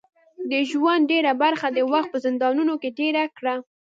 د ژوند ډیره برخه د وخت په زندانونو کې تېره کړه.